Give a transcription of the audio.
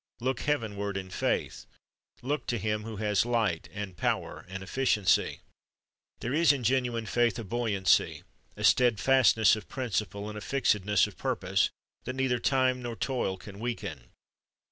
Look heavenward in faith. Look to Him who has light and power and efficiency. There is in genuine faith a buoyancy, a steadfastness of principle, and a fixedness of purpose, that neither time nor toil can weaken.